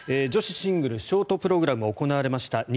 女子シングルショートプログラムが行われました。